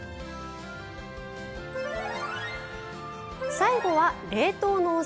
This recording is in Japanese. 最後は冷凍のお魚。